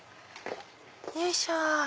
よいしょ。